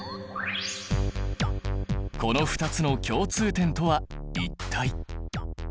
この２つの共通点とは一体？